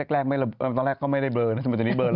แรกก็ไม่ได้เบอร์นะสมมุตินี้เบอร์แล้ว